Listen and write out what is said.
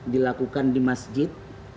dilakukan di masjid